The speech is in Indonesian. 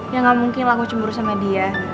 ya gak mungkin aku cemburu sama dia